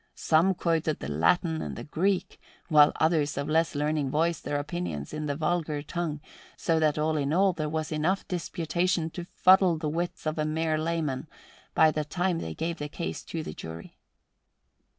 Some quoted the Latin and the Greek, while others of less learning voiced their opinions in the vulgar tongue, so that all in all there was enough disputation to fuddle the wits of a mere layman by the time they gave the case to the jury.